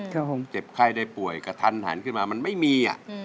ก็คงเจ็บไข้ได้ป่วยกระทันหันขึ้นมามันไม่มี